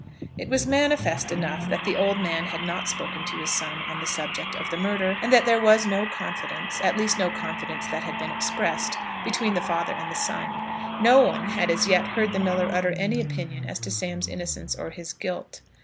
It was manifest enough that the old man had not spoken to his son on the subject of the murder, and that there was no confidence, at least, no confidence that had been expressed, between the father and the son. No one had as yet heard the miller utter any opinion as to Sam's innocence or his guilt.